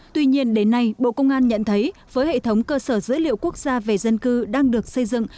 tuy nhiên đến nay bộ công an nhận thấy với hệ thống cơ sở dữ liệu quốc gia về dân cư đang được xây dựng